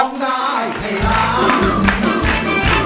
ลุงร้องได้ให้ร้าน